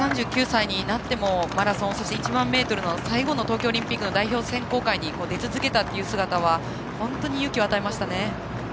３９歳になってもマラソン、そして１００００ｍの最後の東京オリンピックの代表選考会に出続けたという姿は本当に勇気を与えましたね。